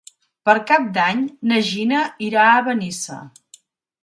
Per Cap d'Any na Gina irà a Benissa.